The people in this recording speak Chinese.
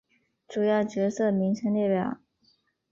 主要角色名称列表。